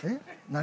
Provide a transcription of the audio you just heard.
何？